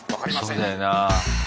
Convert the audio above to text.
そうだよな。